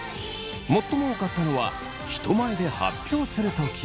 最も多かったのは人前で発表するとき。